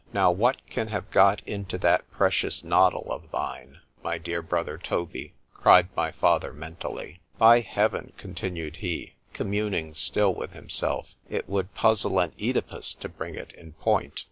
——Now what can have got into that precious noddle of thine, my dear brother Toby? cried my father, mentally.——By Heaven! continued he, communing still with himself, it would puzzle an Œdipus to bring it in point.